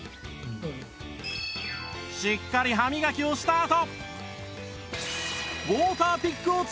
しっかり歯磨きをしたあと